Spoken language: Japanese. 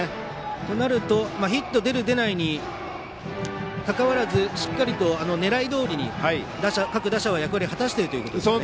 となるとヒット出る、出ないにかかわらずしっかりと狙いどおりに各打者は果たしていると。